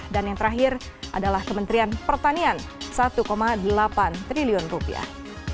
dan yang terakhir adalah kementerian pertanian satu delapan triliun rupiah